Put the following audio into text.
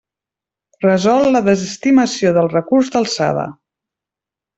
Resol la desestimació del recurs d'alçada.